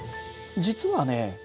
実はね